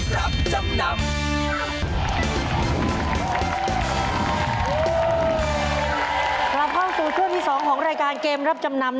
กลับเข้าสู่เครื่องที่สองของรายการเกมรับจำนำ